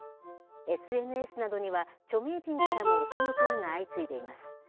ＳＮＳなどには著名人からも惜しむ声が相次いでいます。